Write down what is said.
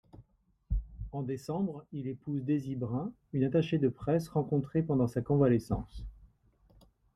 En décembre, il épouse Daisy Brun, une attachée de presse rencontrée pendant sa convalescence.